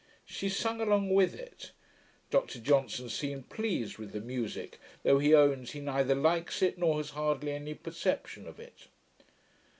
She sung along with it. Dr Johnson seemed pleased with the musick, though he owns he neither likes it, nor has hardly any perception of it.